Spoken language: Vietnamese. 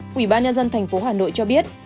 quỹ ban nhân dân thành phố hà nội cho biết